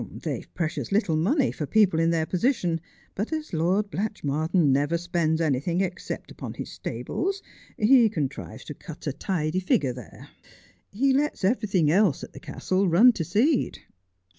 ' They've precious little money for people in their position : but as Lord Blatchmardean never spends anything except upon his stables he contrives to cut a tidy figure there. He lets everything else at the castle run to seed.'